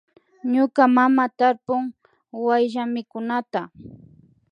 Muña mama tarpun wayllamikunata